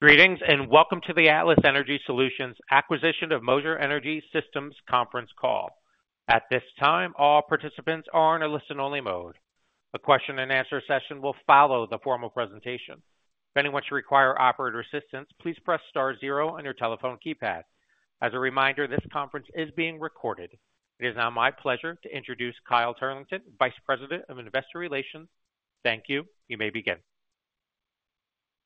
Greetings and welcome to the Atlas Energy Solutions Acquisition of Moser Energy Systems Conference Call. At this time, all participants are in a listen-only mode. The question-and-answer session will follow the formal presentation. If anyone should require operator assistance, please press star zero on your telephone keypad. As a reminder, this conference is being recorded. It is now my pleasure to introduce Kyle Turlington, Vice President of Investor Relations. Thank you. You may begin.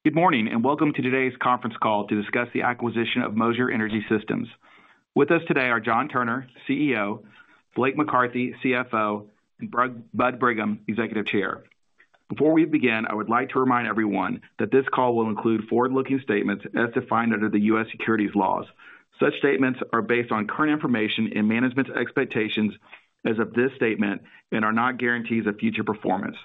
Good morning and welcome to today's conference call to discuss the acquisition of Moser Energy Systems. With us today are John Turner, CEO, Blake McCarthy, CFO, and Bud Brigham, Executive Chair. Before we begin, I would like to remind everyone that this call will include forward-looking statements as defined under the U.S. securities laws. Such statements are based on current information and management's expectations as of this statement and are not guarantees of future performance.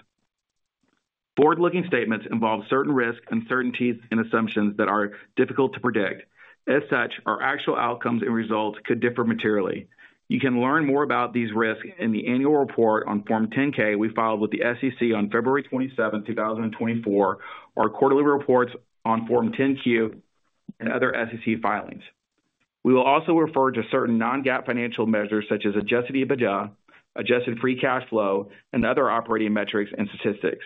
Forward-looking statements involve certain risks, uncertainties, and assumptions that are difficult to predict. As such, our actual outcomes and results could differ materially. You can learn more about these risks in the annual report on Form 10-K we filed with the SEC on February 27th, 2024, our quarterly reports on Form 10-Q, and other SEC filings. We will also refer to certain non-GAAP financial measures such as Adjusted EBITDA, Adjusted Free Cash Flow, and other operating metrics and statistics.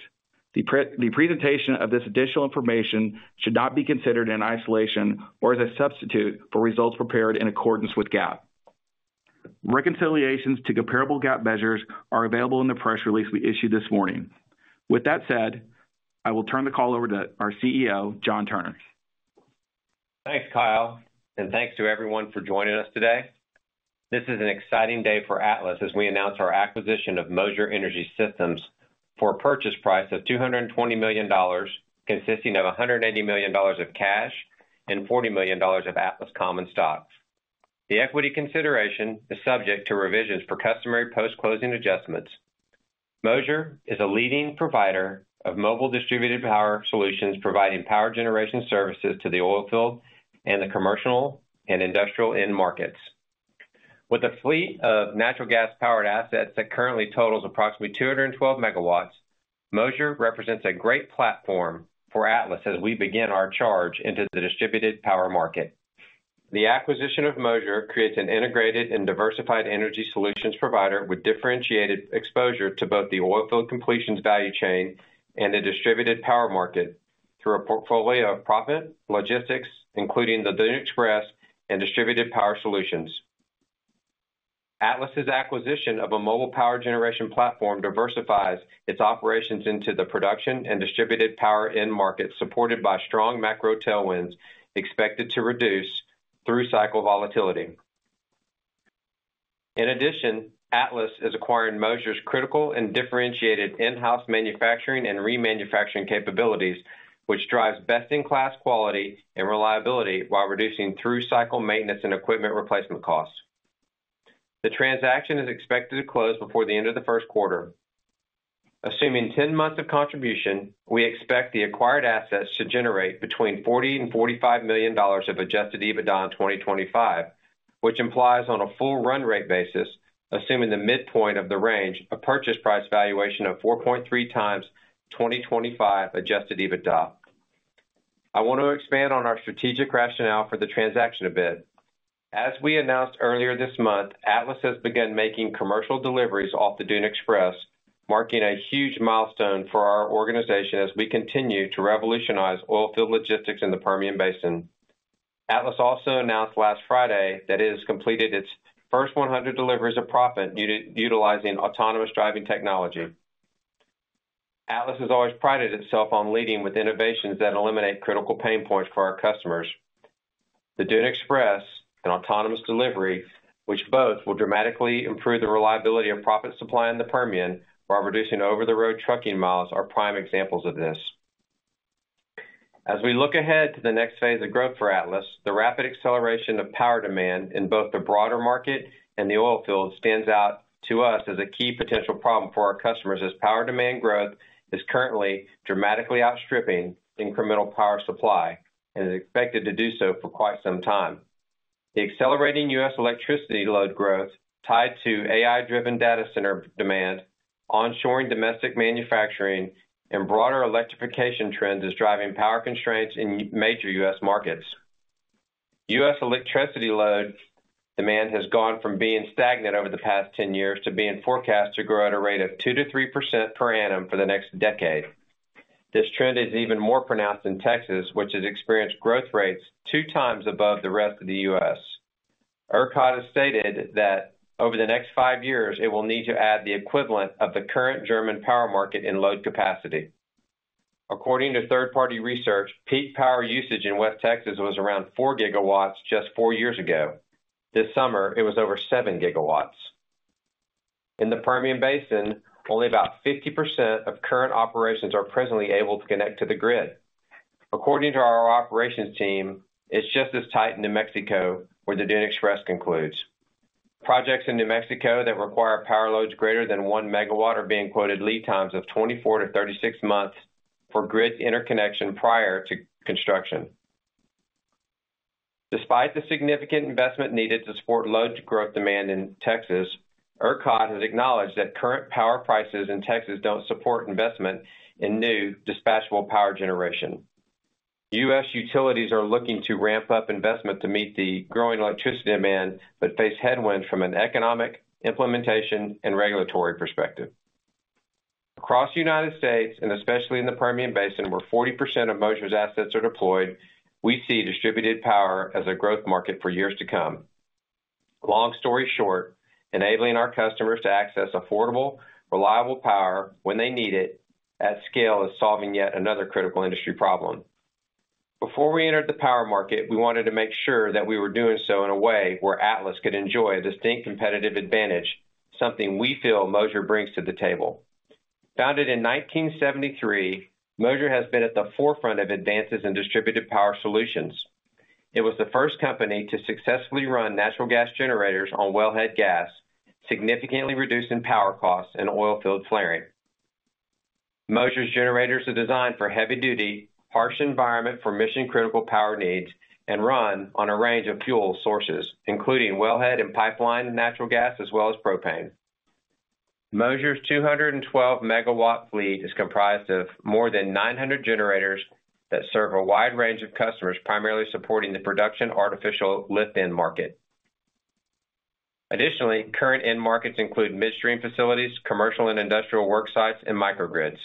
The presentation of this additional information should not be considered in isolation or as a substitute for results prepared in accordance with GAAP. Reconciliations to comparable GAAP measures are available in the press release we issued this morning. With that said, I will turn the call over to our CEO, John Turner. Thanks, Kyle, and thanks to everyone for joining us today. This is an exciting day for Atlas as we announce our acquisition of Moser Energy Systems for a purchase price of $220 million, consisting of $180 million of cash and $40 million of Atlas common stock. The equity consideration is subject to revisions for customary post-closing adjustments. Moser is a leading provider of mobile distributed power solutions providing power generation services to the oilfield and the commercial and industrial end markets. With a fleet of natural gas-powered assets that currently totals approximately 212 MW, Moser represents a great platform for Atlas as we begin our charge into the distributed power market. The acquisition of Moser creates an integrated and diversified energy solutions provider with differentiated exposure to both the oil field completions value chain and the distributed power market through a portfolio of proppant logistics, including the Dune Express and distributed power solutions. Atlas's acquisition of a mobile power generation platform diversifies its operations into the production and distributed power end market, supported by strong macro tailwinds expected to reduce through-cycle volatility. In addition, Atlas is acquiring Moser's critical and differentiated in-house manufacturing and remanufacturing capabilities, which drives best-in-class quality and reliability while reducing through-cycle maintenance and equipment replacement costs. The transaction is expected to close before the end of the first quarter. Assuming 10 months of contribution, we expect the acquired assets to generate between $40-$45 million of Adjusted EBITDA in 2025, which implies on a full run rate basis, assuming the midpoint of the range, a purchase price valuation of 4.3 times 2025 Adjusted EBITDA. I want to expand on our strategic rationale for the transaction a bit. As we announced earlier this month, Atlas has begun making commercial deliveries off the Dune Express, marking a huge milestone for our organization as we continue to revolutionize oilfield logistics in the Permian Basin. Atlas also announced last Friday that it has completed its first 100 deliveries of proppant utilizing autonomous driving technology. Atlas has always prided itself on leading with innovations that eliminate critical pain points for our customers. The Dune Express and autonomous delivery, which both will dramatically improve the reliability of proppant supply in the Permian while reducing over-the-road trucking miles, are prime examples of this. As we look ahead to the next phase of growth for Atlas, the rapid acceleration of power demand in both the broader market and the oil field stands out to us as a key potential problem for our customers as power demand growth is currently dramatically outstripping incremental power supply and is expected to do so for quite some time. The accelerating U.S. electricity load growth tied to AI-driven data center demand, onshoring domestic manufacturing, and broader electrification trends is driving power constraints in major U.S. markets. U.S. electricity load demand has gone from being stagnant over the past 10 years to being forecast to grow at a rate of 2%-3% per annum for the next decade. This trend is even more pronounced in Texas, which has experienced growth rates two times above the rest of the U.S. ERCOT has stated that over the next five years, it will need to add the equivalent of the current German power market in load capacity. According to third-party research, peak power usage in West Texas was around four gigawatts just four years ago. This summer, it was over seven gigawatts. In the Permian Basin, only about 50% of current operations are presently able to connect to the grid. According to our operations team, it's just as tight in New Mexico where the Dune Express concludes. Projects in New Mexico that require power loads greater than one megawatt are being quoted lead times of 24-36 months for grid interconnection prior to construction. Despite the significant investment needed to support load growth demand in Texas, ERCOT has acknowledged that current power prices in Texas don't support investment in new dispatchable power generation. U.S. utilities are looking to ramp up investment to meet the growing electricity demand but face headwinds from an economic, implementation, and regulatory perspective. Across the United States, and especially in the Permian Basin, where 40% of Moser's assets are deployed, we see distributed power as a growth market for years to come. Long story short, enabling our customers to access affordable, reliable power when they need it at scale is solving yet another critical industry problem. Before we entered the power market, we wanted to make sure that we were doing so in a way where Atlas could enjoy a distinct competitive advantage, something we feel Moser brings to the table. Founded in 1973, Moser has been at the forefront of advances in distributed power solutions. It was the first company to successfully run natural gas generators on wellhead gas, significantly reducing power costs and oilfield flaring. Moser's generators are designed for heavy-duty, harsh environment for mission-critical power needs and run on a range of fuel sources, including wellhead and pipeline natural gas as well as propane. Moser's 212 MW fleet is comprised of more than 900 generators that serve a wide range of customers primarily supporting the production and artificial lift end market. Additionally, current end markets include midstream facilities, commercial and industrial work sites, and microgrids.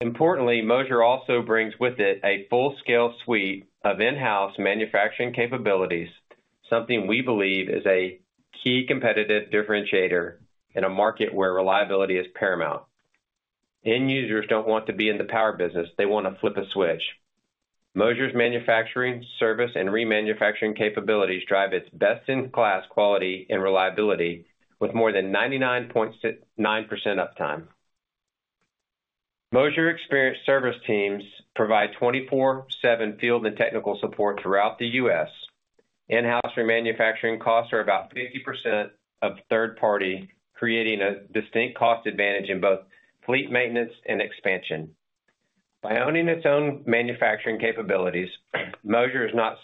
Importantly, Moser also brings with it a full-scale suite of in-house manufacturing capabilities, something we believe is a key competitive differentiator in a market where reliability is paramount. End users don't want to be in the power business. They want to flip a switch. Moser's manufacturing, service, and remanufacturing capabilities drive its best-in-class quality and reliability with more than 99.9% uptime. Moser's experienced service teams provide 24/7 field and technical support throughout the U.S. In-house remanufacturing costs are about 50% of third-party, creating a distinct cost advantage in both fleet maintenance and expansion. By owning its own manufacturing capabilities, Moser is not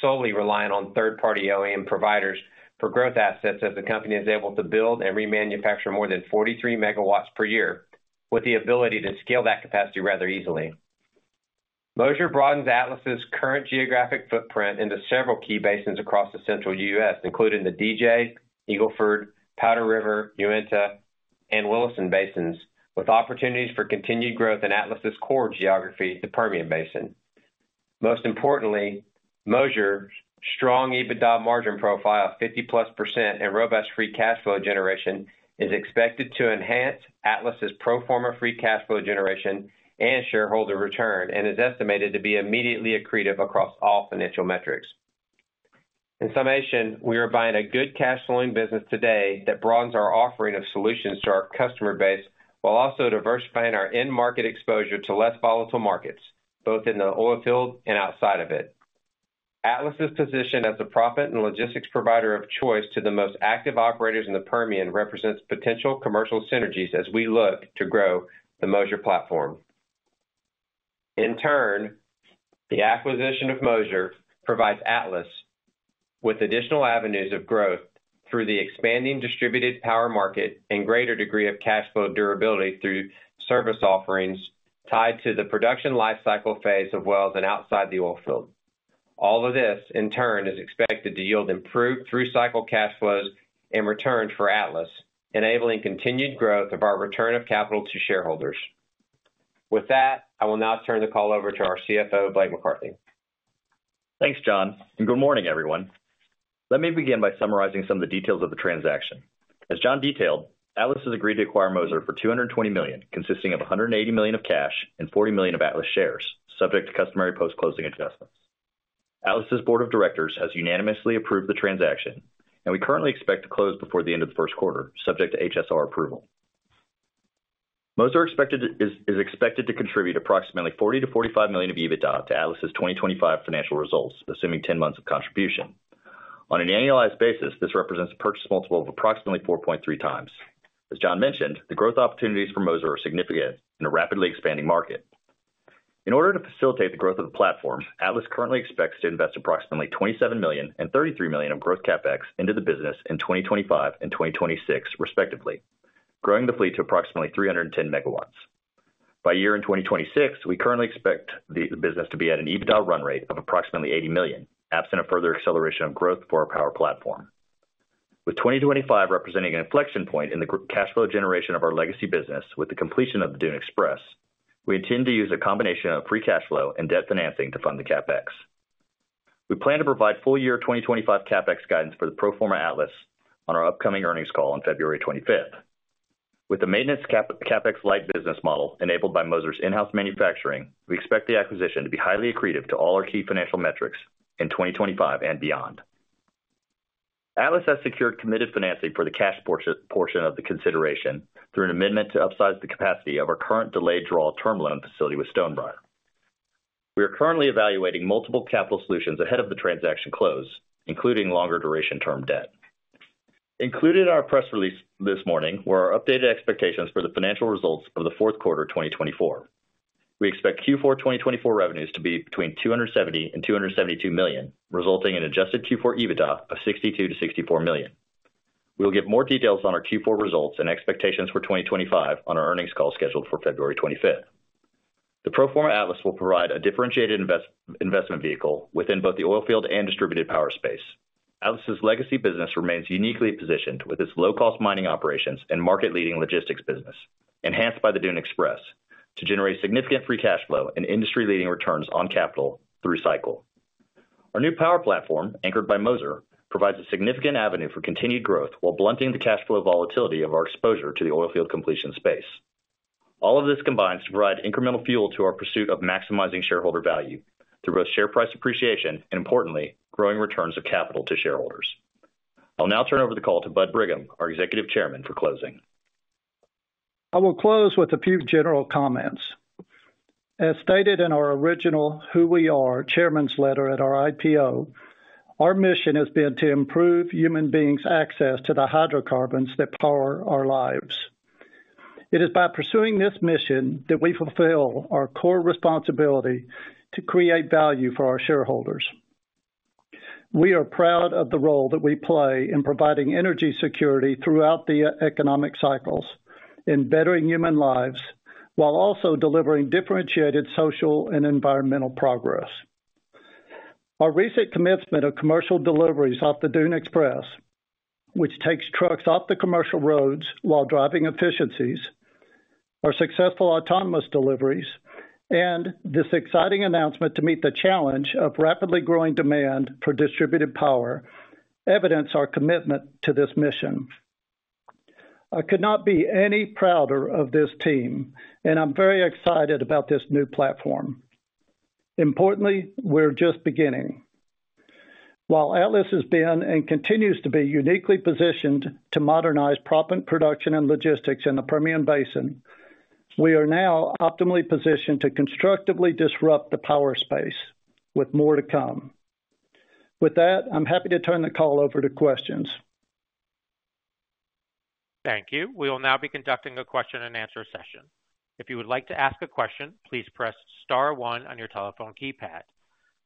solely reliant on third-party OEM providers for growth assets as the company is able to build and remanufacture more than 43 MW per year, with the ability to scale that capacity rather easily. Moser broadens Atlas's current geographic footprint into several key basins across the central U.S., including the DJ, Eagle Ford, Powder River, Uinta, and Williston basins, with opportunities for continued growth in Atlas's core geography, the Permian Basin. Most importantly, Moser's strong EBITDA margin profile of 50+% and robust free cash flow generation is expected to enhance Atlas's pro forma free cash flow generation and shareholder return and is estimated to be immediately accretive across all financial metrics. In summation, we are buying a good cash-flowing business today that broadens our offering of solutions to our customer base while also diversifying our end market exposure to less volatile markets, both in the oil field and outside of it. Atlas's position as a proppant and logistics provider of choice to the most active operators in the Permian represents potential commercial synergies as we look to grow the Moser platform. In turn, the acquisition of Moser provides Atlas with additional avenues of growth through the expanding distributed power market and greater degree of cash flow durability through service offerings tied to the production lifecycle phase of wells and outside the oil field. All of this, in turn, is expected to yield improved through-cycle cash flows and returns for Atlas, enabling continued growth of our return of capital to shareholders. With that, I will now turn the call over to our CFO, Blake McCarthy. Thanks, John, and good morning, everyone. Let me begin by summarizing some of the details of the transaction. As John detailed, Atlas has agreed to acquire Moser for $220 million, consisting of $180 million of cash and $40 million of Atlas shares, subject to customary post-closing adjustments. Atlas's board of directors has unanimously approved the transaction, and we currently expect to close before the end of the first quarter, subject to HSR approval. Moser is expected to contribute approximately $40-$45 million of EBITDA to Atlas's 2025 financial results, assuming 10 months of contribution. On an annualized basis, this represents a purchase multiple of approximately 4.3 times. As John mentioned, the growth opportunities for Moser are significant in a rapidly expanding market. In order to facilitate the growth of the platform, Atlas currently expects to invest approximately $27 million and $33 million of growth CapEx into the business in 2025 and 2026, respectively, growing the fleet to approximately 310 MW. By year-end 2026, we currently expect the business to be at an EBITDA run rate of approximately $80 million, absent a further acceleration of growth for our power platform. With 2025 representing an inflection point in the cash flow generation of our legacy business with the completion of the Dune Express, we intend to use a combination of free cash flow and debt financing to fund the CapEx. We plan to provide full-year 2025 CapEx guidance for the pro forma Atlas on our upcoming earnings call on February 25th. With the maintenance CapEx light business model enabled by Moser's in-house manufacturing, we expect the acquisition to be highly accretive to all our key financial metrics in 2025 and beyond. Atlas has secured committed financing for the cash portion of the consideration through an amendment to upsize the capacity of our current delayed draw term loan facility with Stonebriar. We are currently evaluating multiple capital solutions ahead of the transaction close, including longer duration term debt. Included in our press release this morning were our updated expectations for the financial results of the fourth quarter 2024. We expect Q4 2024 revenues to be between $270-$272 million, resulting in adjusted Q4 EBITDA of $62-$64 million. We will give more details on our Q4 results and expectations for 2025 on our earnings call scheduled for February 25th. The pro forma Atlas will provide a differentiated investment vehicle within both the oil field and distributed power space. Atlas's legacy business remains uniquely positioned with its low-cost mining operations and market-leading logistics business, enhanced by the Dune Express, to generate significant free cash flow and industry-leading returns on capital through cycle. Our new power platform, anchored by Moser, provides a significant avenue for continued growth while blunting the cash flow volatility of our exposure to the oil field completion space. All of this combines to provide incremental fuel to our pursuit of maximizing shareholder value through both share price appreciation and, importantly, growing returns of capital to shareholders. I'll now turn over the call to Bud Brigham, our Executive Chairman, for closing. I will close with a few general comments. As stated in our original Who We Are Chairman's Letter at our IPO, our mission has been to improve human beings' access to the hydrocarbons that power our lives. It is by pursuing this mission that we fulfill our core responsibility to create value for our shareholders. We are proud of the role that we play in providing energy security throughout the economic cycles, in bettering human lives, while also delivering differentiated social and environmental progress. Our recent commitment of commercial deliveries off the Dune Express, which takes trucks off the commercial roads while driving efficiencies, our successful autonomous deliveries, and this exciting announcement to meet the challenge of rapidly growing demand for distributed power evidence our commitment to this mission. I could not be any prouder of this team, and I'm very excited about this new platform. Importantly, we're just beginning. While Atlas has been and continues to be uniquely positioned to modernize proppant and production and logistics in the Permian Basin, we are now optimally positioned to constructively disrupt the power space with more to come. With that, I'm happy to turn the call over to questions. Thank you. We will now be conducting a question and answer session. If you would like to ask a question, please press Star 1 on your telephone keypad.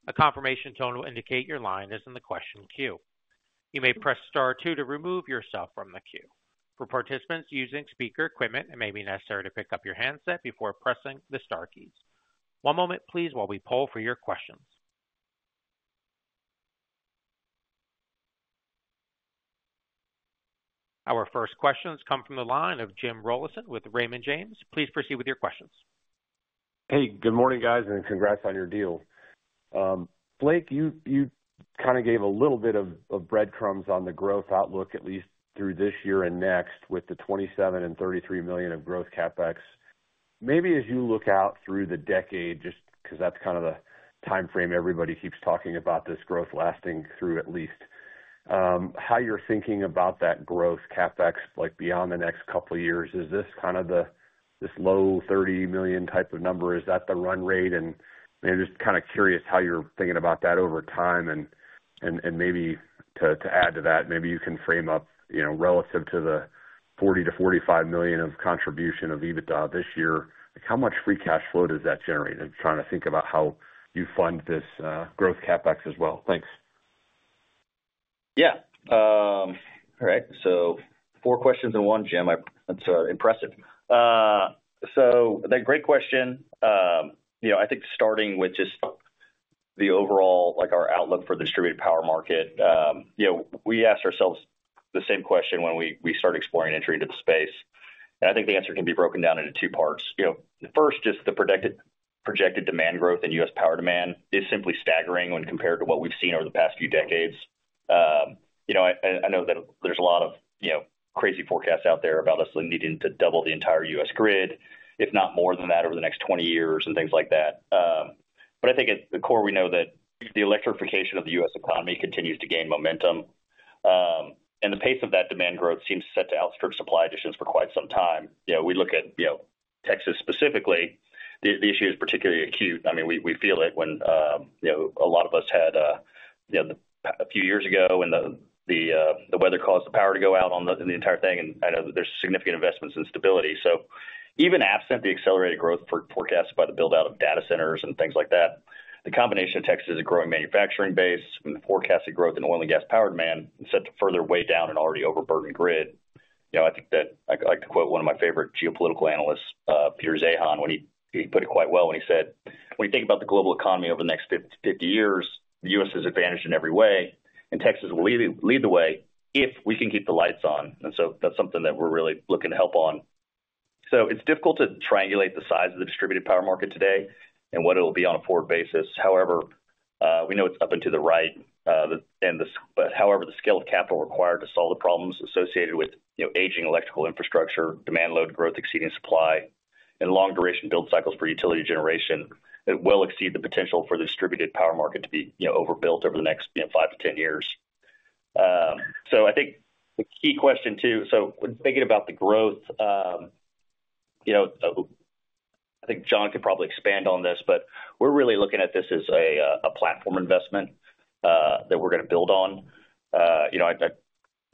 A confirmation tone will indicate your line is in the question queue. You may press Star 2 to remove yourself from the queue. For participants using speaker equipment, it may be necessary to pick up your handset before pressing the Star keys. One moment, please, while we poll for your questions. Our first questions come from the line of Jim Rollyson with Raymond James. Please proceed with your questions. Hey, good morning, guys, and congrats on your deal. Blake, you kind of gave a little bit of breadcrumbs on the growth outlook, at least through this year and next, with the $27 million and $33 million of growth CapEx. Maybe as you look out through the decade, just because that's kind of the time frame everybody keeps talking about this growth lasting through at least, how you're thinking about that growth CapEx beyond the next couple of years. Is this kind of this low $30 million type of number? Is that the run rate? And I'm just kind of curious how you're thinking about that over time. And maybe to add to that, maybe you can frame up relative to the $40-$45 million of contribution of EBITDA this year, how much free cash flow does that generate? I'm trying to think about how you fund this growth CapEx as well. Thanks. Yeah. All right. So four questions in one, Jim. That's impressive. So that's a great question. I think starting with just the overall, our outlook for the distributed power market, we asked ourselves the same question when we started exploring entry into the space. And I think the answer can be broken down into two parts. First, just the projected demand growth and U.S. power demand is simply staggering when compared to what we've seen over the past few decades. I know that there's a lot of crazy forecasts out there about us needing to double the entire U.S. grid, if not more than that over the next 20 years and things like that. But I think at the core, we know that the electrification of the U.S. economy continues to gain momentum. And the pace of that demand growth seems set to outstretch supply additions for quite some time. We look at Texas specifically. The issue is particularly acute. I mean, we feel it when a lot of us had a few years ago when the weather caused the power to go out on the entire thing. And I know that there's significant investments in stability. So even absent the accelerated growth forecast by the buildout of data centers and things like that, the combination of Texas as a growing manufacturing base and the forecasted growth in oil and gas power demand set to further weigh down an already overburdened grid. I think that I like to quote one of my favorite geopolitical analysts, Peter Zeihan, when he put it quite well when he said, "When you think about the global economy over the next 50 years, the U.S. Is advantaged in every way, and Texas will lead the way if we can keep the lights on." So that's something that we're really looking to help on. It's difficult to triangulate the size of the distributed power market today and what it will be on a forward basis. However, we know it's up and to the right. But however, the scale of capital required to solve the problems associated with aging electrical infrastructure, demand load growth exceeding supply, and long-duration build cycles for utility generation. It will exceed the potential for the distributed power market to be overbuilt over the next 5-10 years. So I think the key question too, so thinking about the growth, I think John could probably expand on this, but we're really looking at this as a platform investment that we're going to build on. I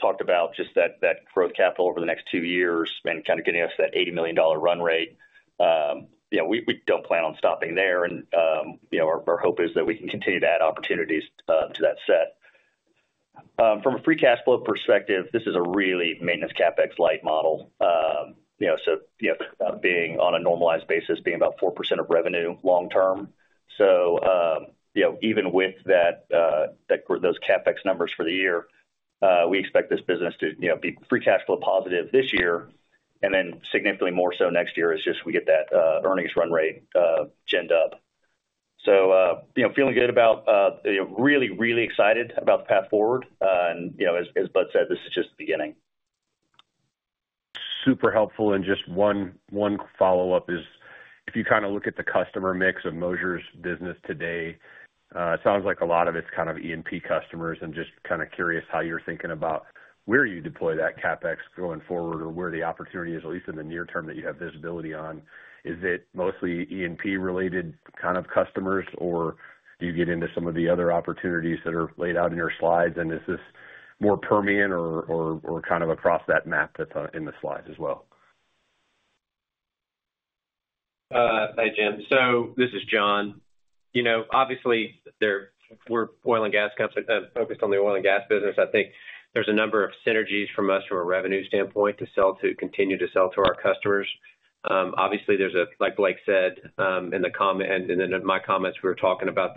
talked about just that growth capital over the next two years and kind of getting us that $80 million run rate. We don't plan on stopping there. And our hope is that we can continue to add opportunities to that set. From a free cash flow perspective, this is a really maintenance CapEx light model. So being on a normalized basis, being about 4% of revenue long term. So even with those CapEx numbers for the year, we expect this business to be free cash flow positive this year and then significantly more so next year as just we get that earnings run rate ginned up. So feeling good about really, really excited about the path forward. And as Bud said, this is just the beginning. Super helpful. And just one follow-up is, if you kind of look at the customer mix of Moser's business today, it sounds like a lot of it's kind of E&P customers. And just kind of curious how you're thinking about where you deploy that CapEx going forward or where the opportunity is, at least in the near term that you have visibility on. Is it mostly E&P-related kind of customers, or do you get into some of the other opportunities that are laid out in your slides? And is this more Permian or kind of across that map that's in the slides as well? Hi, Jim. So this is John. Obviously, we're oil and gas companies focused on the oil and gas business. I think there's a number of synergies from us from a revenue standpoint to continue to sell to our customers. Obviously, there's, like Blake said in the comment and in my comments, we were talking about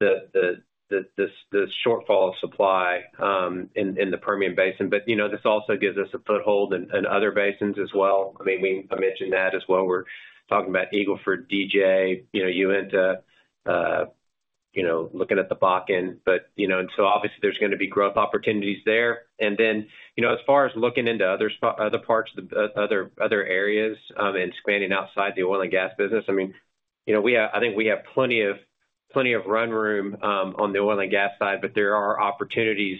the shortfall of supply in the Permian Basin. But this also gives us a foothold in other basins as well. I mean, I mentioned that as well. We're talking about Eagle Ford, DJ, Uinta, looking at the Bakken. And so obviously, there's going to be growth opportunities there. And then as far as looking into other parts, other areas, and expanding outside the oil and gas business, I mean, I think we have plenty of run room on the oil and gas side, but there are opportunities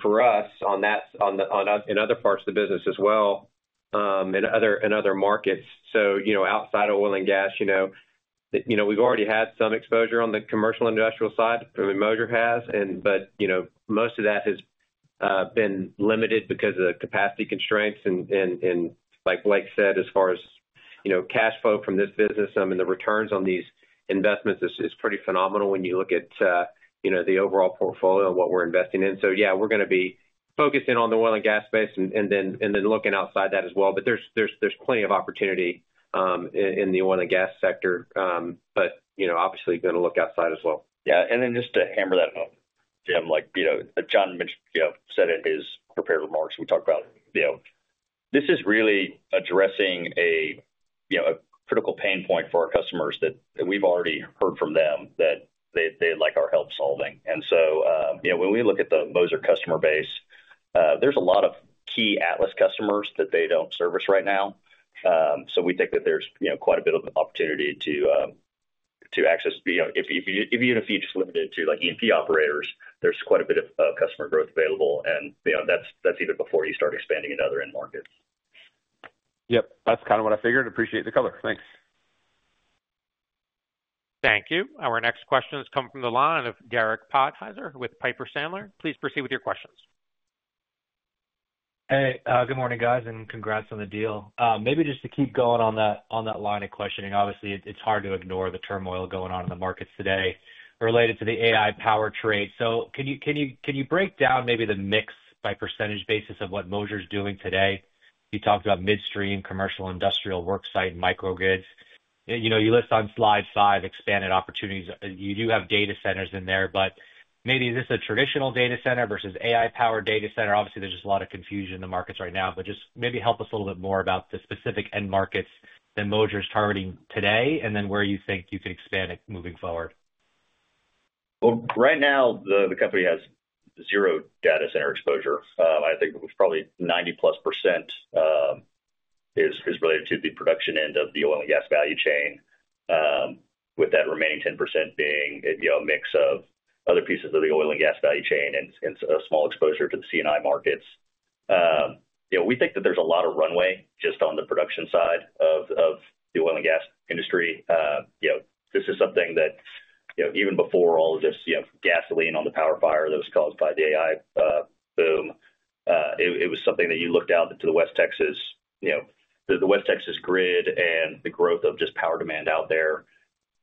for us in other parts of the business as well in other markets. So outside of oil and gas, we've already had some exposure on the commercial industrial side that Moser has. But most of that has been limited because of the capacity constraints. And like Blake said, as far as cash flow from this business, I mean, the returns on these investments is pretty phenomenal when you look at the overall portfolio and what we're investing in. So yeah, we're going to be focusing on the oil and gas space and then looking outside that as well. But there's plenty of opportunity in the oil and gas sector. But obviously, going to look outside as well. Yeah. And then just to hammer that out, Jim, like John said in his prepared remarks, we talked about this is really addressing a critical pain point for our customers that we've already heard from them that they'd like our help solving. And so when we look at the Moser customer base, there's a lot of key Atlas customers that they don't service right now. So we think that there's quite a bit of opportunity to access. If you just limited it to E&P operators, there's quite a bit of customer growth available. And that's even before you start expanding into other end markets. Yep. That's kind of what I figured. Appreciate the color. Thanks. Thank you. Our next question has come from the line of Derek Podhaizer with Piper Sandler. Please proceed with your questions. Hey, good morning, guys, and congrats on the deal. Maybe just to keep going on that line of questioning, obviously, it's hard to ignore the turmoil going on in the markets today related to the AI power trade. So can you break down maybe the mix by percentage basis of what Moser's doing today? You talked about midstream commercial industrial work site and microgrids. You list on slide five expanded opportunities. You do have data centers in there, but maybe is this a traditional data center versus AI-powered data center? Obviously, there's just a lot of confusion in the markets right now. But just maybe help us a little bit more about the specific end markets that Moser's targeting today and then where you think you could expand it moving forward. Right now, the company has zero data center exposure. I think probably 90+% is related to the production end of the oil and gas value chain, with that remaining 10% being a mix of other pieces of the oil and gas value chain and a small exposure to the C&I markets. We think that there's a lot of runway just on the production side of the oil and gas industry. This is something that even before all of this gasoline on the power fire that was caused by the AI boom, it was something that you looked out to the West Texas grid and the growth of just power demand out there,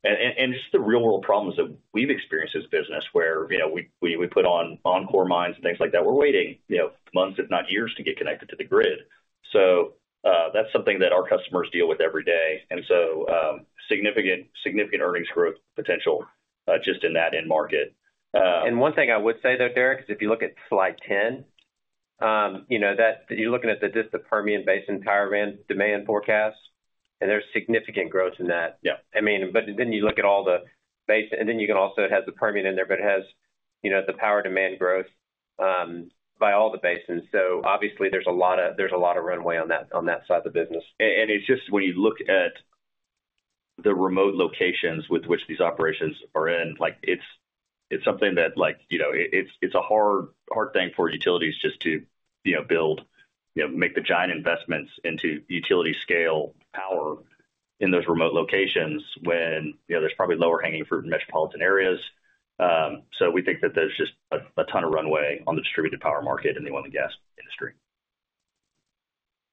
and just the real-world problems that we've experienced as a business where we put on our core mines and things like that, we're waiting months, if not years, to get connected to the grid. So that's something that our customers deal with every day. And so significant earnings growth potential just in that end market. One thing I would say though, Derek, is if you look at slide 10, you're looking at the Permian Basin power demand forecast, and there's significant growth in that. I mean, but then you look at all the basin, and then you can also have the Permian in there, but it has the power demand growth by all the basins, so obviously, there's a lot of runway on that side of the business. It's just when you look at the remote locations with which these operations are in, it's something that it's a hard thing for utilities just to build, make the giant investments into utility-scale power in those remote locations when there's probably lower hanging fruit in metropolitan areas. So we think that there's just a ton of runway on the distributed power market in the oil and gas industry.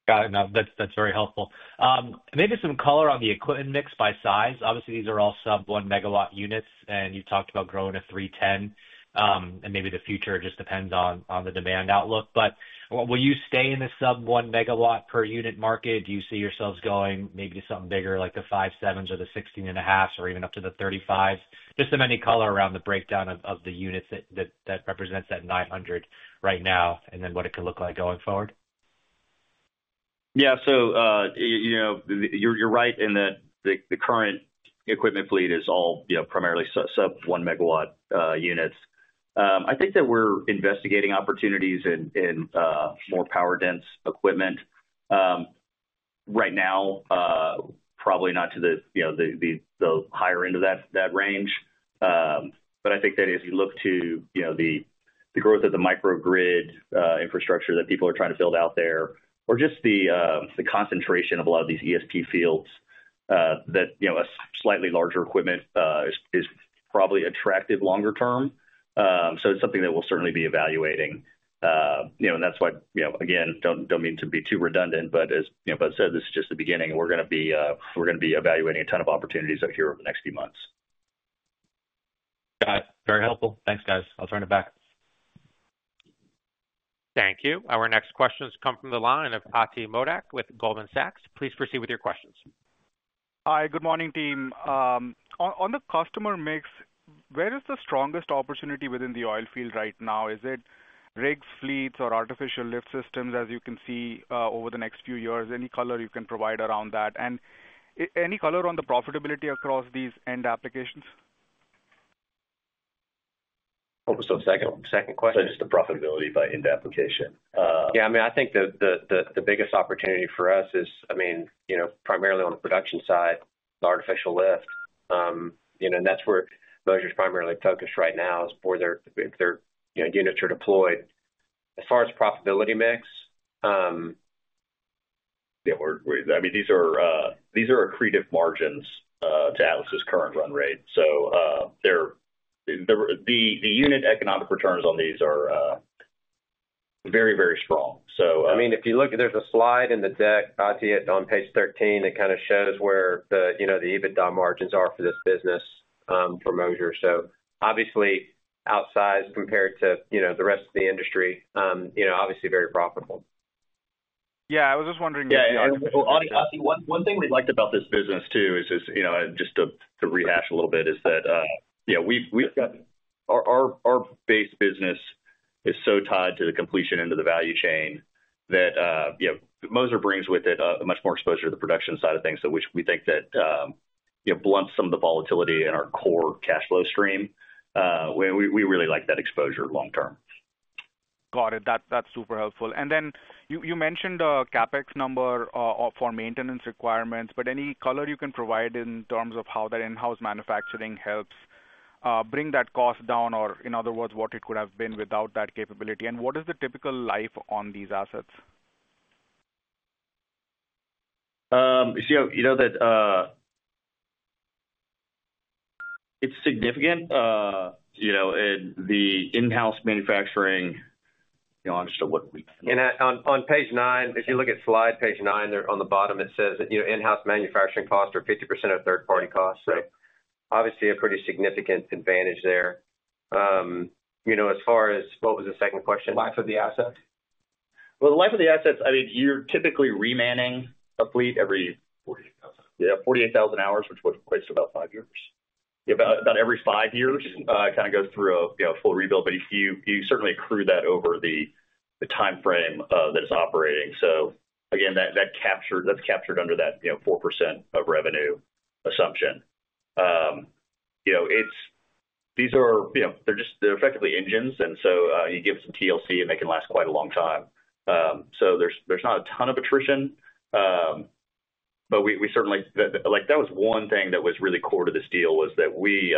Got it. No, that's very helpful. Maybe some color on the equipment mix by size. Obviously, these are all sub-1 megawatt units, and you talked about growing to 310, and maybe the future just depends on the demand outlook, but will you stay in the sub-1 megawatt per unit market? Do you see yourselves going maybe to something bigger like the 5.7s or the 16.5s or even up to the 35s? Just some any color around the breakdown of the units that represents that 900 right now and then what it could look like going forward? Yeah. So you're right in that the current equipment fleet is all primarily sub-1 megawatt units. I think that we're investigating opportunities in more power-dense equipment right now, probably not to the higher end of that range. But I think that as you look to the growth of the microgrid infrastructure that people are trying to build out there, or just the concentration of a lot of these ESP fields, that a slightly larger equipment is probably attractive longer term. So it's something that we'll certainly be evaluating. And that's why, again, don't mean to be too redundant, but as Bud said, this is just the beginning. We're going to be evaluating a ton of opportunities out here over the next few months. Got it. Very helpful. Thanks, guys. I'll turn it back. Thank you. Our next questions come from the line of Ati Modak with Goldman Sachs. Please proceed with your questions. Hi, good morning, team. On the customer mix, where is the strongest opportunity within the oilfield right now? Is it rigs, fleets, or artificial lift systems, as you can see over the next few years? Any color you can provide around that? And any color on the profitability across these end applications? Hold on just one second. Second question is the profitability by end application. Yeah. I mean, I think the biggest opportunity for us is, I mean, primarily on the production side, the artificial lift. And that's where Moser's primarily focused right now is where their units are deployed. As far as profitability mix, yeah, I mean, these are accretive margins to Atlas's current run rate. So the unit economic returns on these are very, very strong. So. I mean, if you look, there's a slide in the deck, Ati, on page 13. It kind of shows where the EBITDA margins are for this business for Moser. So obviously, outsized compared to the rest of the industry, obviously very profitable. Yeah. I was just wondering. Yeah. One thing we liked about this business too is just to rehash a little bit is that our base business is so tied to the completion into the value chain that Moser brings with it much more exposure to the production side of things, which we think that blunts some of the volatility in our core cash flow stream. We really like that exposure long term. Got it. That's super helpful. And then you mentioned a CapEx number for maintenance requirements, but any color you can provide in terms of how that in-house manufacturing helps bring that cost down, or in other words, what it could have been without that capability? And what is the typical life on these assets? You know that it's significant in the in-house manufacturing. I'm just at what? On page nine, if you look at slide page nine there on the bottom, it says that in-house manufacturing costs are 50% of third-party costs. So obviously, a pretty significant advantage there. As far as what was the second question? Life of the assets. The life of the assets, I mean, you're typically remanufacturing a fleet every 48,000 hours, which would have placed about five years. About every five years, it kind of goes through a full rebuild, but you certainly accrue that over the timeframe that it's operating. So again, that's captured under that 4% of revenue assumption. These are effectively engines, and so you give them some TLC, and they can last quite a long time. So there's not a ton of attrition, but we certainly, that was one thing that was really core to this deal, was that we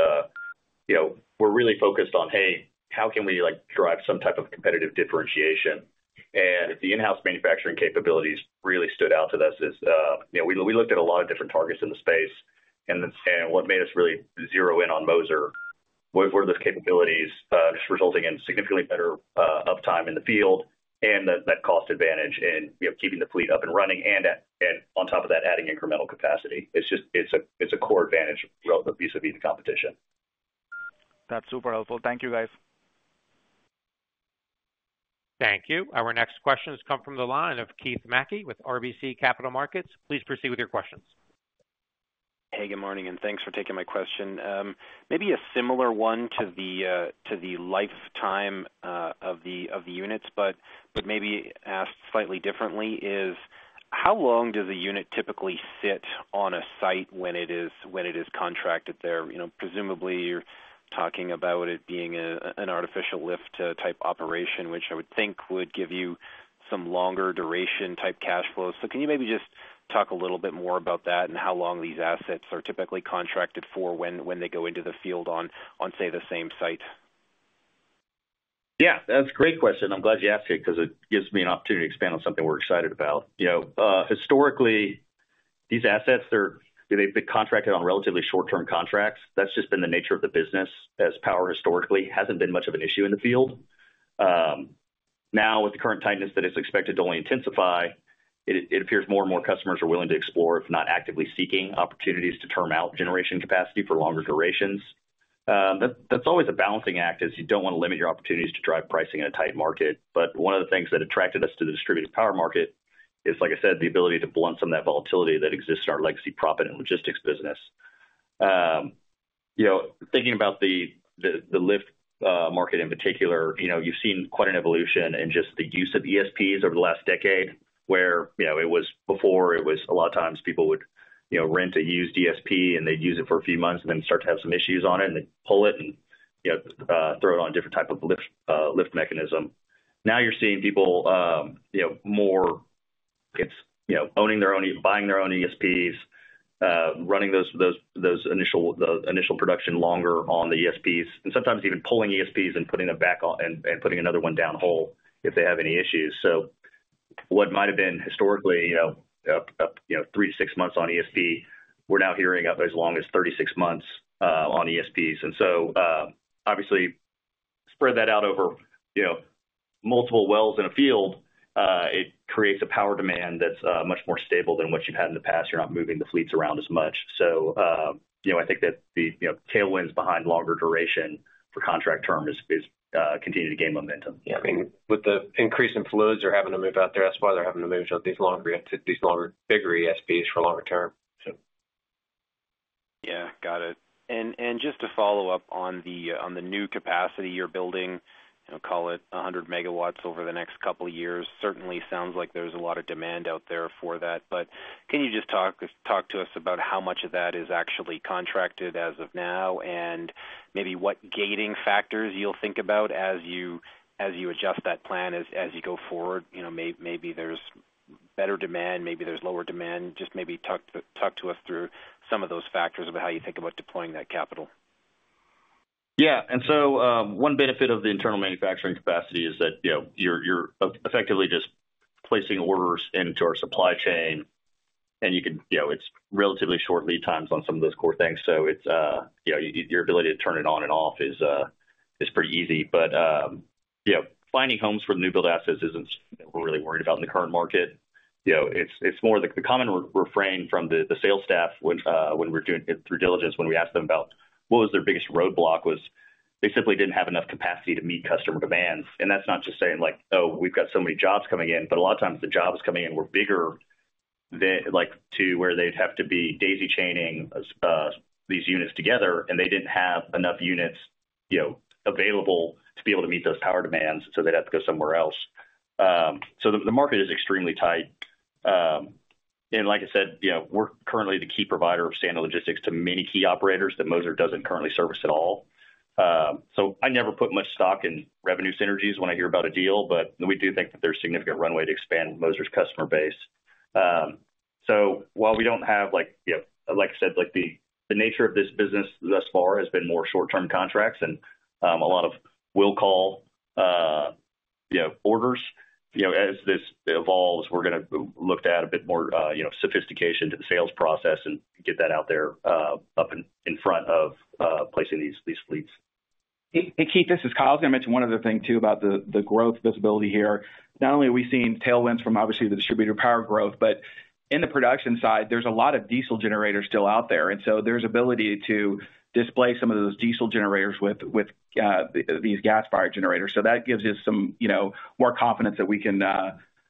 were really focused on, "Hey, how can we drive some type of competitive differentiation?" And the in-house manufacturing capabilities really stood out to us. We looked at a lot of different targets in the space, and what made us really zero in on Moser were those capabilities, resulting in significantly better uptime in the field and that cost advantage in keeping the fleet up and running and on top of that, adding incremental capacity. It's a core advantage relative vis-à-vis the competition. That's super helpful. Thank you, guys. Thank you. Our next questions come from the line of Keith Mackey with RBC Capital Markets. Please proceed with your questions. Hey, good morning, and thanks for taking my question. Maybe a similar one to the lifetime of the units, but maybe asked slightly differently is, how long does a unit typically sit on a site when it is contracted there? Presumably, you're talking about it being an artificial lift type operation, which I would think would give you some longer duration type cash flows. So can you maybe just talk a little bit more about that and how long these assets are typically contracted for when they go into the field on, say, the same site? Yeah. That's a great question. I'm glad you asked it because it gives me an opportunity to expand on something we're excited about. Historically, these assets, they've been contracted on relatively short-term contracts. That's just been the nature of the business as power historically hasn't been much of an issue in the field. Now, with the current tightness that it's expected to only intensify, it appears more and more customers are willing to explore, if not actively seeking, opportunities to term out generation capacity for longer durations. That's always a balancing act as you don't want to limit your opportunities to drive pricing in a tight market. But one of the things that attracted us to the distributed power market is, like I said, the ability to blunt some of that volatility that exists in our legacy prop and logistics business. Thinking about the lift market in particular, you've seen quite an evolution in just the use of ESPs over the last decade where it was before, a lot of times people would rent a used ESP, and they'd use it for a few months and then start to have some issues on it, and they'd pull it and throw it on a different type of lift mechanism. Now you're seeing people more owning their own, buying their own ESPs, running those initial production longer on the ESPs, and sometimes even pulling ESPs and putting them back and putting another one downhole if they have any issues. So what might have been historically three to six months on ESPs, we're now hearing up as long as 36 months on ESPs. And so obviously, spread that out over multiple wells in a field, it creates a power demand that's much more stable than what you've had in the past. You're not moving the fleets around as much. So I think that the tailwinds behind longer duration for contract term is continuing to gain momentum. Yeah. I mean, with the increase in fluids or having to move out there, that's why they're having to move these bigger ESPs for longer term, so. Yeah. Got it. Just to follow up on the new capacity you're building, call it 100 MW over the next couple of years. Certainly sounds like there's a lot of demand out there for that. Can you just talk to us about how much of that is actually contracted as of now and maybe what gating factors you'll think about as you adjust that plan as you go forward? Maybe there's better demand, maybe there's lower demand. Just maybe talk to us through some of those factors about how you think about deploying that capital. Yeah. And so one benefit of the internal manufacturing capacity is that you're effectively just placing orders into our supply chain, and it's relatively short lead times on some of those core things. So your ability to turn it on and off is pretty easy. But finding homes for the new build assets isn't something we're really worried about in the current market. It's more the common refrain from the sales staff when we're doing it through diligence, when we ask them about what their biggest roadblock was. They simply didn't have enough capacity to meet customer demands. That's not just saying like, "Oh, we've got so many jobs coming in," but a lot of times the jobs coming in were bigger to where they'd have to be daisy-chaining these units together, and they didn't have enough units available to be able to meet those power demands, so they'd have to go somewhere else. So the market is extremely tight. And like I said, we're currently the key provider of sand logistics to many key operators that Moser doesn't currently service at all. So I never put much stock in revenue synergies when I hear about a deal, but we do think that there's significant runway to expand Moser's customer base. While we don't have, like I said, the nature of this business thus far has been more short-term contracts and a lot of will-call orders, as this evolves, we're going to look to add a bit more sophistication to the sales process and get that out there up in front of placing these fleets. Hey, Keith, this is Kyle. I was going to mention one other thing too about the growth visibility here. Not only are we seeing tailwinds from obviously the distributed power growth, but in the production side, there's a lot of diesel generators still out there. And so there's ability to displace some of those diesel generators with these gas-fired generators. So that gives us some more confidence that we can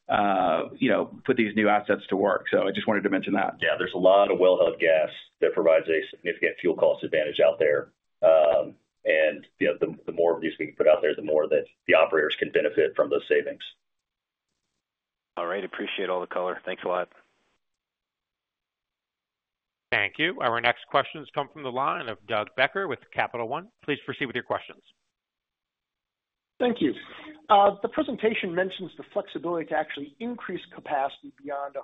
put these new assets to work. So I just wanted to mention that. Yeah. There's a lot of wellhead gas that provides a significant fuel cost advantage out there. And the more of these we can put out there, the more that the operators can benefit from those savings. All right. Appreciate all the color. Thanks a lot. Thank you. Our next questions come from the line of Doug Becker with Capital One. Please proceed with your questions. Thank you. The presentation mentions the flexibility to actually increase capacity beyond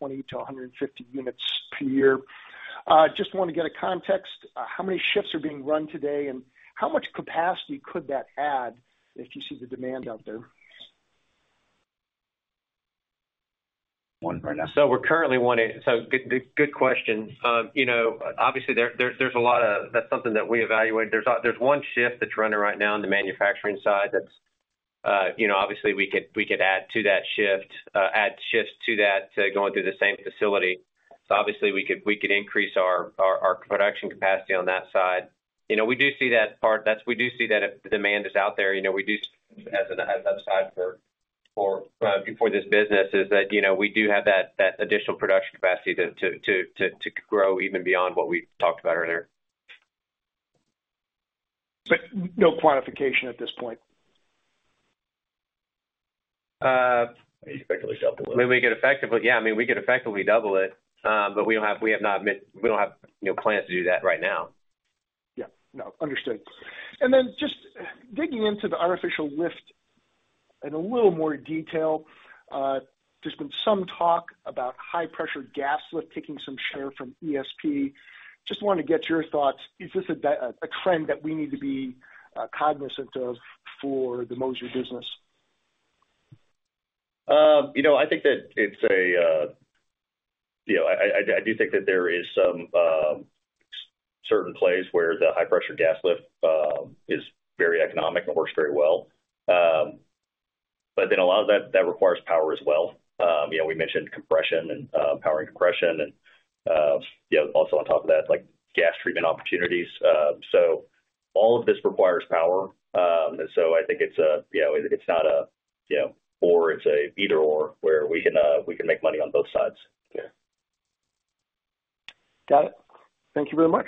120-150 units per year. Just want to get a context. How many shifts are being run today, and how much capacity could that add if you see the demand out there? One right now. We're currently wanting, so good question. Obviously, there's a lot of that. That's something that we evaluated. There's one shift that's running right now on the manufacturing side. That's obviously we could add to that shift, add shifts to that going through the same facility. Obviously, we could increase our production capacity on that side. We do see that part. We do see that if the demand is out there. We do see that as an upside for this business is that we do have that additional production capacity to grow even beyond what we talked about earlier. But no quantification at this point. We could effectively double it. We could effectively, yeah, I mean, we could effectively double it, but we have not. We don't have plans to do that right now. Yeah. No. Understood. And then just digging into the artificial lift in a little more detail, there's been some talk about high-pressure gas lift taking some share from ESP. Just wanted to get your thoughts. Is this a trend that we need to be cognizant of for the Moser business? I do think that there are some certain plays where the high-pressure gas lift is very economic and works very well. But then a lot of that requires power as well. We mentioned compression and power and compression, and also on top of that, gas treatment opportunities. So all of this requires power. And so I think it's not an either/or where we can make money on both sides. Yeah. Got it. Thank you very much.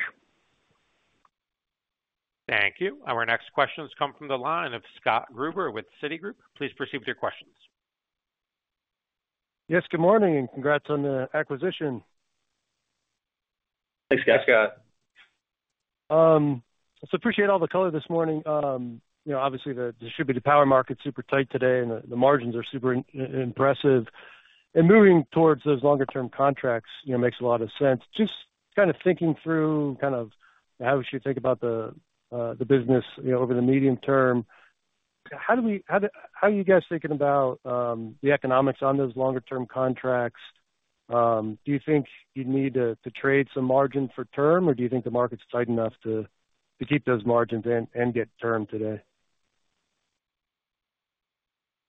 Thank you. Our next questions come from the line of Scott Gruber with Citigroup. Please proceed with your questions. Yes. Good morning and congrats on the acquisition. Thanks, guys. Thanks, Scott. I appreciate all the color this morning. Obviously, the distributed power market's super tight today, and the margins are super impressive. Moving towards those longer-term contracts makes a lot of sense. Just kind of thinking through kind of how we should think about the business over the medium term, how are you guys thinking about the economics on those longer-term contracts? Do you think you'd need to trade some margin for term, or do you think the market's tight enough to keep those margins and get term today?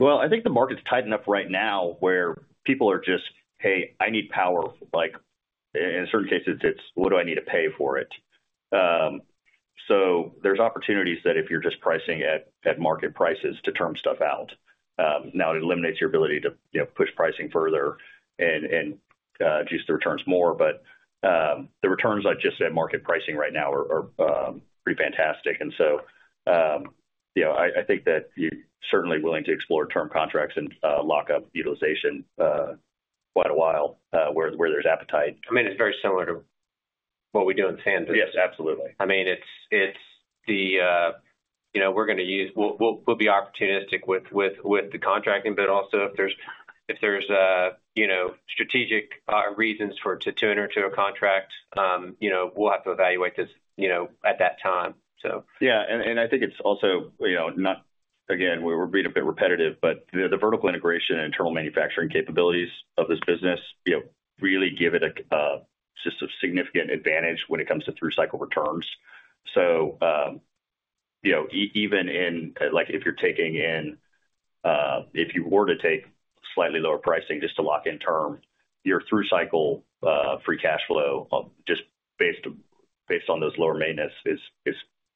I think the market's tight enough right now where people are just, "Hey, I need power." In certain cases, it's, "What do I need to pay for it?" So there's opportunities that if you're just pricing at market prices to term stuff out. Now, it eliminates your ability to push pricing further and juice the returns more. But the returns I just said market pricing right now are pretty fantastic. And so I think that you're certainly willing to explore term contracts and lock up utilization quite a while where there's appetite. I mean, it's very similar to what we do in sand contracts. Yes. Absolutely. I mean, it's the - we're going to use - we'll be opportunistic with the contracting, but also if there's strategic reasons for to enter into a contract, we'll have to evaluate this at that time, so. Yeah. And I think it's also not, again, we're being a bit repetitive, but the vertical integration and internal manufacturing capabilities of this business really give it a significant advantage when it comes to through cycle returns. So even if you're taking in, if you were to take slightly lower pricing just to lock in term, your through cycle free cash flow just based on those lower maintenance is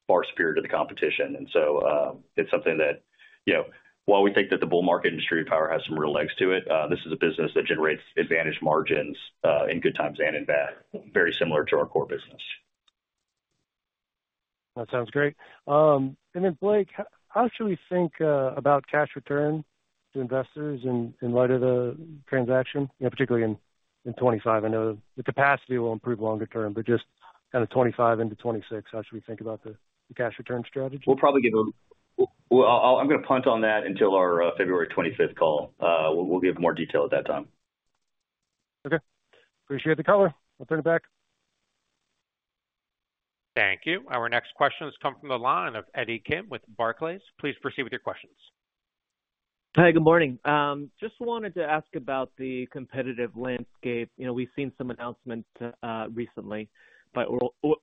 far superior to the competition. And so it's something that while we think that the bull market industry power has some real legs to it, this is a business that generates advantage margins in good times and in bad, very similar to our core business. That sounds great. And then, Blake, how should we think about cash return to investors in light of the transaction, particularly in 2025? I know the capacity will improve longer term, but just kind of 2025 into 2026, how should we think about the cash return strategy? We'll probably give them, I'm going to punt on that until our February 25th call. We'll give more detail at that time. Okay. Appreciate the color. I'll turn it back. Thank you. Our next questions come from the line of Eddie Kim with Barclays. Please proceed with your questions. Hi. Good morning. Just wanted to ask about the competitive landscape. We've seen some announcements recently by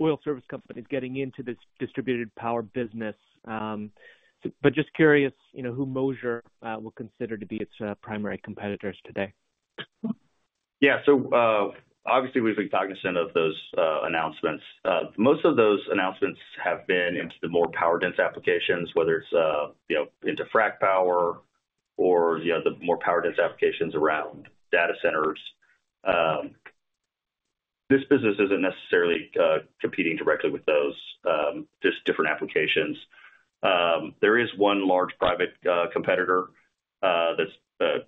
oil service companies getting into this distributed power business. But just curious who Moser will consider to be its primary competitors today? Yeah. So obviously, we've been cognizant of those announcements. Most of those announcements have been into the more power-dense applications, whether it's into frac power or the more power-dense applications around data centers. This business isn't necessarily competing directly with those, just different applications. There is one large private competitor that's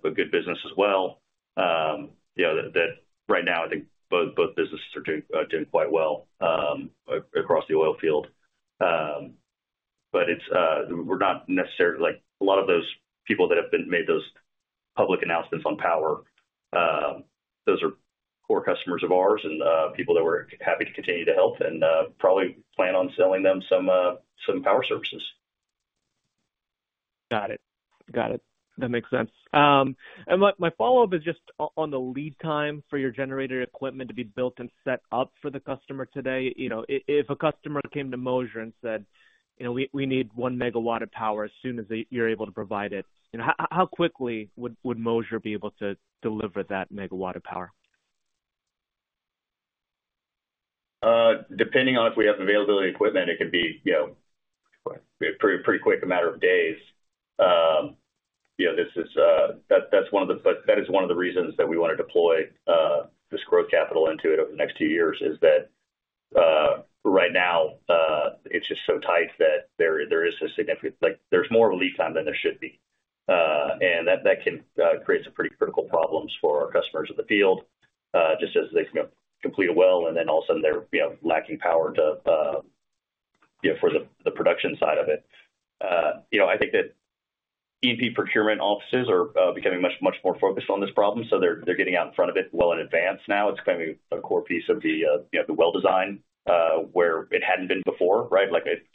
a good business as well. Right now, I think both businesses are doing quite well across the oil field. But we're not necessarily, a lot of those people that have made those public announcements on power, those are core customers of ours and people that we're happy to continue to help and probably plan on selling them some power services. Got it. Got it. That makes sense. And my follow-up is just on the lead time for your generator equipment to be built and set up for the customer today. If a customer came to Moser and said, "We need one megawatt of power as soon as you're able to provide it," how quickly would Moser be able to deliver that megawatt of power? Depending on if we have availability of equipment, it could be pretty quick, a matter of days. That's one of the, that is one of the reasons that we want to deploy this growth capital into it over the next two years, is that right now, it's just so tight that there is a significant, there's more of a lead time than there should be, and that creates pretty critical problems for our customers in the field just as they complete a well and then all of a sudden they're lacking power for the production side of it. I think that E&P procurement offices are becoming much more focused on this problem, so they're getting out in front of it well in advance now. It's becoming a core piece of the well design where it hadn't been before, right?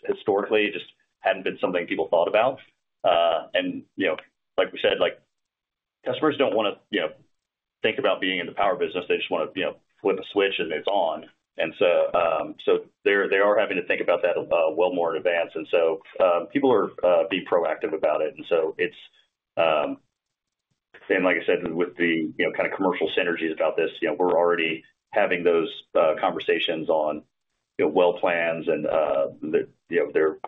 Historically, it just hadn't been something people thought about. And like we said, customers don't want to think about being in the power business. They just want to flip a switch and it's on. And so they are having to think about that well more in advance. And so people are being proactive about it. And so it's, and like I said, with the kind of commercial synergies about this, we're already having those conversations on well plans and their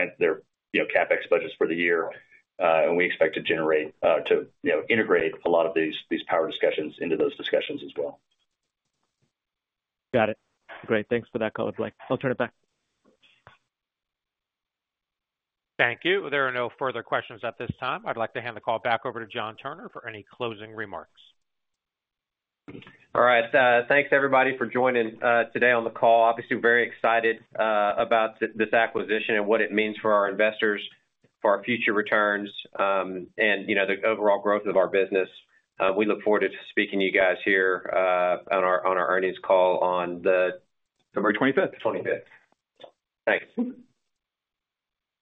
CapEx budgets for the year. And we expect to generate to integrate a lot of these power discussions into those discussions as well. Got it. Great. Thanks for that color, Blake. I'll turn it back. Thank you. There are no further questions at this time. I'd like to hand the call back over to John Turner for any closing remarks. All right. Thanks, everybody, for joining today on the call. Obviously, very excited about this acquisition and what it means for our investors, for our future returns, and the overall growth of our business. We look forward to speaking to you guys here on our earnings call on February 25th. 25th. Thanks.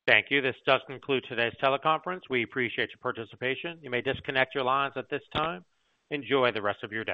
Thank you. This does conclude today's teleconference. We appreciate your participation. You may disconnect your lines at this time. Enjoy the rest of your day.